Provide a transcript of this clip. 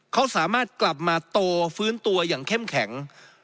เขาสามารถกลับมาโตฟื้นตัวอย่างเข้มแข็ง